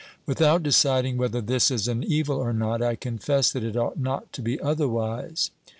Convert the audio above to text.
Without deciding whether this is an evil or not, I confess that it ought not to be otherwise.